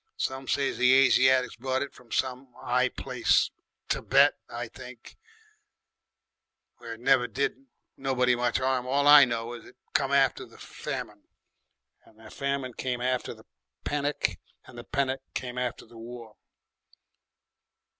Some say the Asiatics brought it from some 'I place, Thibet, I think, where it never did nobody much 'arm. All I know is it come after the Famine. And the Famine come after the Penic and the Penic come after the War."